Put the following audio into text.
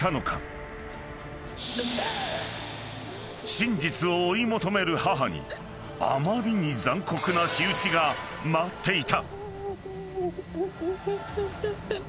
［真実を追い求める母にあまりに残酷な仕打ちが待っていた］